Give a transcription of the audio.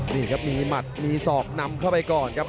นี่ครับมีหมัดมีศอกนำเข้าไปก่อนครับ